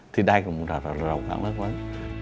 thì đây là một rộng rãng lớn lớn